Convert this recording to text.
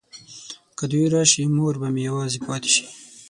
که دوی راشي مور به مې یوازې پاته شي.